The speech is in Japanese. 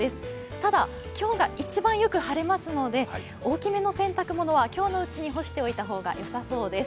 ただ今日が一番よく晴れますので大きめの洗濯物は今日のうちに干しておいた方がよさそうです。